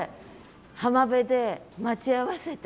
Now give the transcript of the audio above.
浜辺で待ち合わせて。